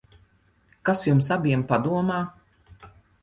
Kas jums abiem padomā?